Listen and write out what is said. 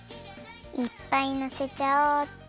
いっぱいのせちゃおう！